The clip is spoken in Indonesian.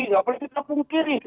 tidak boleh kita pungkiri